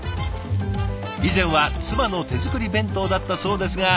以前は妻の手作り弁当だったそうですが。